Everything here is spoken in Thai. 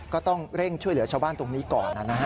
ก็ต้องเร่งช่วยเหลือชาวบ้านตรงนี้ก่อนนะฮะ